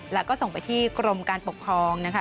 แล้วก็ส่งไปที่กรมการปกครองนะคะ